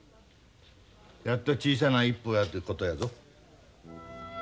やっと小さな一歩やってことやぞ。